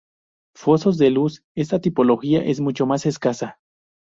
Fosos de cruz: esta tipología es mucho más escasa.